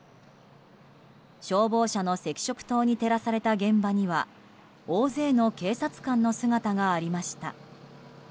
消防車の赤色灯に照らされた現場には大勢の警察官の姿がありました。